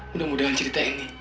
mudah mudahan cerita ini